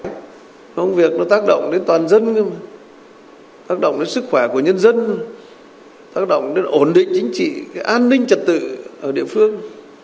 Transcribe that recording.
nó không việc nó tác động đến toàn dân cơ mà tác động đến sức khỏe của nhân dân tác động đến ổn định chính trị an ninh trật tự ở địa phương